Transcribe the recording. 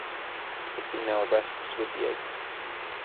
The female rests with the eggs.